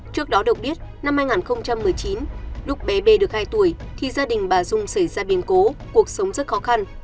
trước đó được biết năm hai nghìn một mươi chín lúc bé b được hai tuổi thì gia đình bà dung xảy ra biến cố cuộc sống rất khó khăn